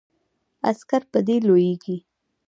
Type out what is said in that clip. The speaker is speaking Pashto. عسکر په دې لویږي.